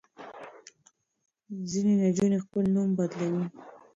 ځینې نجونې خپل نوم بدلوي.